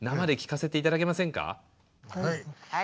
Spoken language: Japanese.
はい。